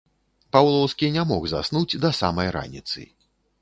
Паўлоўскі не мог заснуць да самай раніцы.